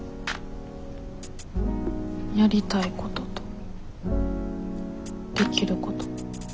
やりたいこととできること。